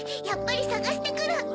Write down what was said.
やっぱりさがしてくる！